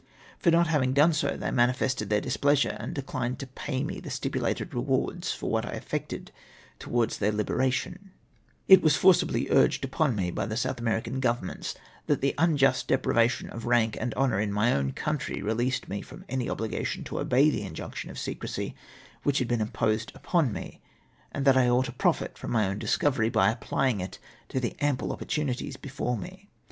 For not having done so, they manifested their displeasure and declined to pay me the stipulated rewards for Avhat I effected towards their liberation. 238 IXJUEIOUS EESULTS TO MYSELF It was forcibly urged upon me by tlie South American governments that the unjust deprivation of rank and honour in my own country released me from any obligation to obey the injunction of secresy which had been imposed upon me, and that I ought to profit from my own discovery, by applying it to the ample opportunities before me.